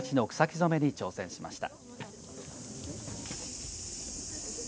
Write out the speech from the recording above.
染めに挑戦しました。